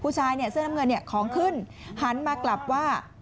ผู้ชายเสื้อน้ำเงินของขึ้นหันมากลับว่า